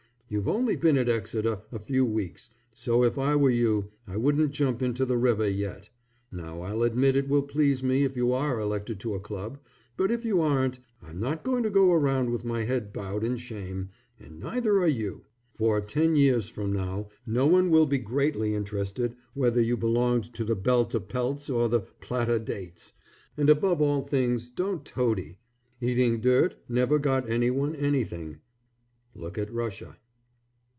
You've only been at Exeter a few weeks, so if I were you I wouldn't jump into the river yet. Now I'll admit it will please me if you are elected to a club, but if you aren't, I'm not going to go around with my head bowed in shame, and neither are you, for ten years from now, no one will be greatly interested whether you belonged to the Belta Pelts or the Plata Dates, and above all things don't toady. Eating dirt never got anyone anything. Look at Russia.